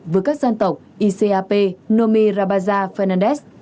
với các dân tộc icap nomi rabaja fernandez